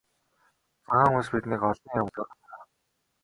Цагаан хүмүүс биднийг олон юманд сургасан.